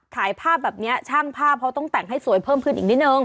ถ่ายภาพแบบนี้ช่างภาพเขาต้องแต่งให้สวยเพิ่มขึ้นอีกนิดนึง